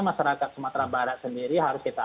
masyarakat sumatera barat sendiri harus kita